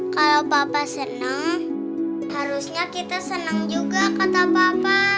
kalau papa seneng harusnya kita seneng juga kata papa